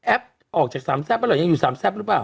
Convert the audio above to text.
แอฟออกจากสามแซปหรอยังอยู่สามแซปรึเปล่า